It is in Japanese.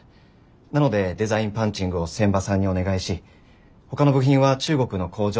なのでデザインパンチングを仙波さんにお願いしほかの部品は中国の工場に委託しようと考えています。